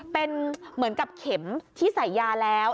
เป็นเหมือนกับเข็มที่ใส่ยาแล้ว